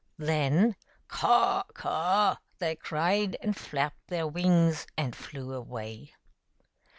Then, " Caw ! caw !*' they cried, and flapped their wings and flew away.